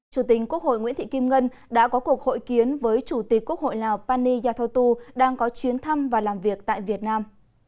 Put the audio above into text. chủ tịch quốc hội nguyễn thị kim ngân đã có cuộc hội kiến với chủ tịch quốc hội lào pani yathotu đang có chuyến thăm và làm việc tại việt nam